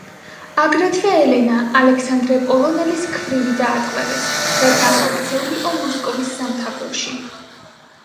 აგრეთვე ელენა, ალექსანდრე პოლონელის ქვრივი, დაატყვევეს, რათა არ გაქცეულიყო მოსკოვის სამთავროში.